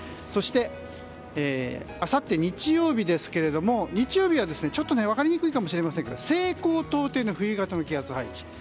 そしてあさって日曜日ですけれども日曜日は分かりにくいかもしれませんけれども西高東低の冬型の気圧配置。